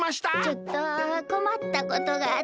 ちょっとこまったことがあってねえ。